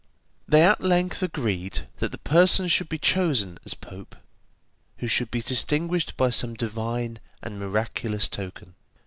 They at length agreed that the person should be chosen as pope who should be distinguished by some divine and miraculous token.